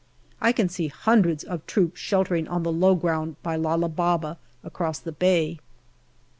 I can see hundreds of troops sheltering on the low ground by Lala Baba across the bay.